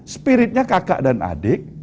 spiritnya kakak dan adik